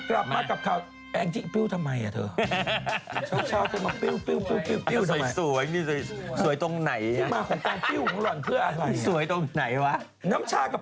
ใครเข้าออกมาเครื่องมาก